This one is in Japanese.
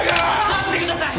待ってください！